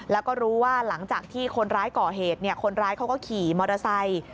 แล้วก็รู้ว่าหลังจากที่คนร้ายก่อเหตุคนร้ายเขาก็ขี่มอเตอร์ไซค์